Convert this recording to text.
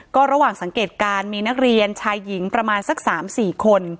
ก็ระหว่างสังเกตการณ์มีนักเรียนชายหญิงประมาณสัก๓๔คน